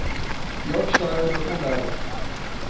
Yorkshire é meu condado.